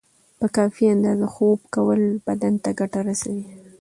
په کافی اندازه خوب کول بدن ته ګټه رسوی